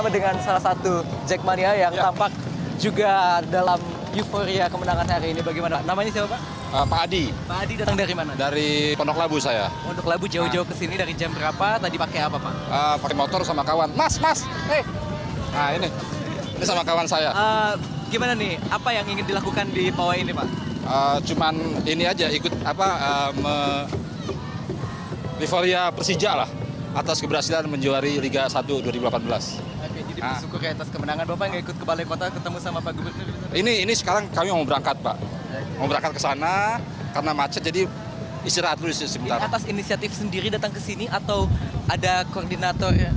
pada hari ini saya akan menunjukkan kepada anda